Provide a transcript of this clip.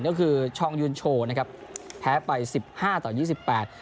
ก็คือชองยุนโชนะครับแพ้ไป๑๕ต่อ๒๘